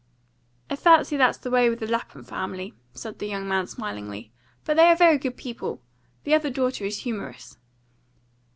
"I fancy that's the way with the Lapham family," said the young man, smilingly. "But they are very good people. The other daughter is humorous."